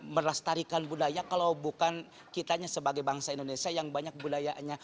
melestarikan budaya kalau bukan kitanya sebagai bangsa indonesia yang banyak budayanya